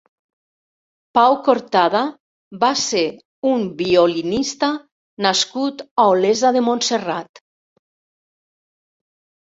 Pau Cortada va ser un violinista nascut a Olesa de Montserrat.